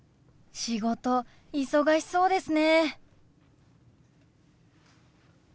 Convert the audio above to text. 仕事忙しそうですね。